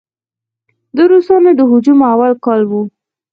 د روسانو د هجوم اول کال و.